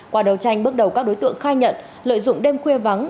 qua đấu tranh bước đầu các đối tượng khai nhận lợi dụng đêm khuya vắng